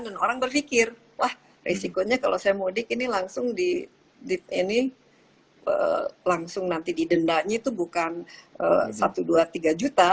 dan orang berpikir wah resikonya kalau saya mudik ini langsung di ini langsung nanti didendanya itu bukan satu dua tiga juta